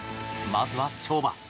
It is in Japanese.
まずは跳馬。